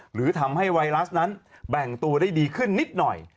หรือทำให้ไวรัสนั้นแบ่งตัวได้ดีขึ้นนิดหน่อย